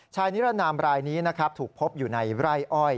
นิรนามรายนี้นะครับถูกพบอยู่ในไร่อ้อย